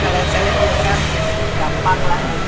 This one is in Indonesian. mungkin ada hal hal seperti human trafficking